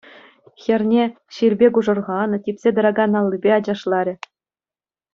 Хӗрне ҫилпе кушӑрханӑ, типсе тӑракан аллипе ачашларӗ.